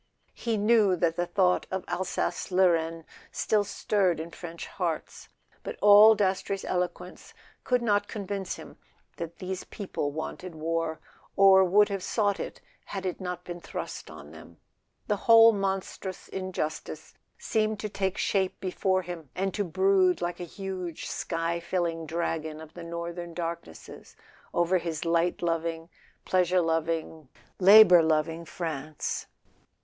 He knew that the thought of Alsace Lorraine still stirred in French hearts; but all Dastrey's eloquence could not convince him [ 78 ] A SON AT THE FRONT that these people wanted war, or would have sought it had it not been thrust on them. The whole monstrous injustice seemed to take shape before him, and to brood like a huge sky filling dragon of the northern dark¬ nesses over his light loving, pleasure loving, labour loving France.